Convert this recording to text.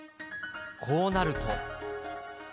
こうなると。